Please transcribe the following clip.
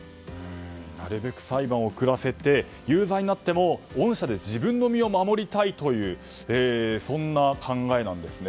なるべく裁判を遅らせて有罪になっても恩赦で自分の身を守りたいというそんな考えなんですね。